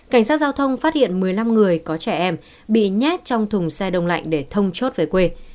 cảnh sát giao thông phát hiện một mươi năm người có trẻ em bị nhát trong thùng xe đông lạnh để thông chốt với quân